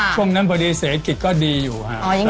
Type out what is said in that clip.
ช่วงนั้นเศรษฐกิจก็ดีอยู่ค่ะ